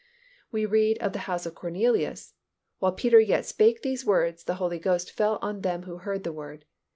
We read of the household of Cornelius, "While Peter yet spake these words, the Holy Ghost fell on them who heard the Word.